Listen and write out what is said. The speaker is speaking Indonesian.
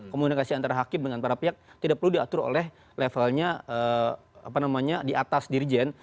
komunikasi antara hakim dengan para pihak tidak perlu diatur oleh levelnya di atas dirjen